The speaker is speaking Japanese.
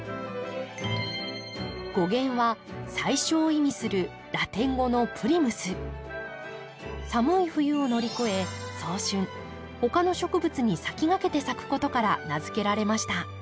語源は「最初」を意味するラテン語の寒い冬を乗り越え早春他の植物に先駆けて咲くことから名付けられました。